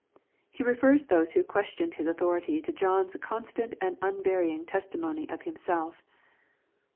He refers those who questioned His authority to John's constant and unvarying testimony to Himself.